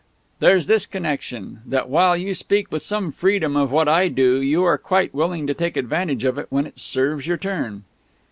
"There's this connection that while you speak with some freedom of what I do, you are quite willing to take advantage of it when it serves your turn."